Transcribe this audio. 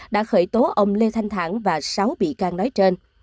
đã khởi tố ông lê thanh thản và sáu bị can nói trên